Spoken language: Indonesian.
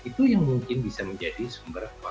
nah itu yang mungkin bisa menjadi faktor faktor yang signifikan